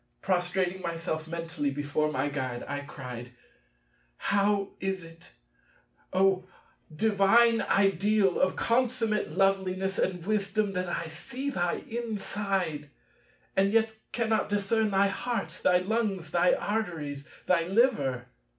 Prostrating myself mentally before my Guide, I cried, "How is it, O divine ideal of consummate loveliness and wisdom that I see thy inside, and yet cannot discern thy heart, thy lungs, thy arteries, thy liver?"